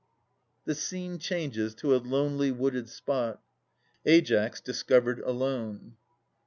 The scene changes to a lonely wooded spot. AiAS {discovered alone).